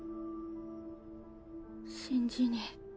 信じねぇ。